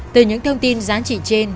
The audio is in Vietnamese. từ những thông tin giá trị trên